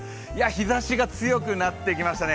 日ざしが強くなってきましたね。